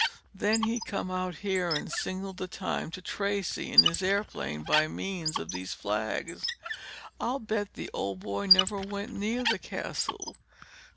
Then he'd come out here and signal the time to Tracey in his airplane, by means of these flags. I'll bet the old boy never went near that Castle.